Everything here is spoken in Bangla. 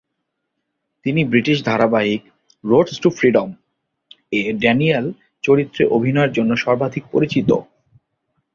তিনি ব্রিটিশ টিভি ধারাবাহিক "রোডস টু ফ্রিডম"-এ ড্যানিয়েল চরিত্রে অভিনয়ের জন্য সর্বাধিক পরিচিত।